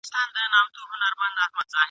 که په لاره کی دي مل وو آیینه کي چي انسان دی ..